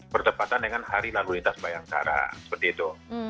bertepatan dengan hari lalu lintas bayangkara seperti itu